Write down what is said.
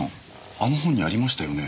あの本にありましたよね？